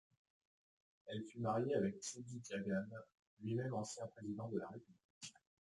Elle fut mariée avec Cheddi Jagan, lui-même ancien président de la République.